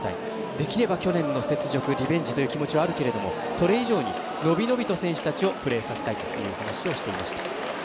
できれば去年の雪辱リベンジという思いはあるけれどもそれ以上に伸び伸びと選手たちをプレーさせたいという話をしていました。